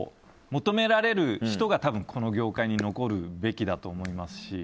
求められる人がこの業界に残るべきだと思いますし。